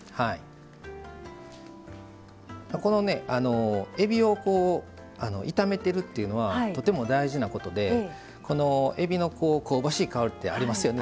このえびを炒めてるというのはとても大事なことでえびの香ばしい香りってありますよね。